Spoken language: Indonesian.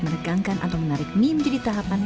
menegangkan atau menarik mie menjadi tahapan